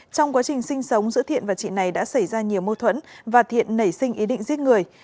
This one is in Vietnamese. trong quá trình sinh sống giữa thiện và chị này đã xảy ra nhiều mâu thuẫn và thiện nảy sinh ý định giết người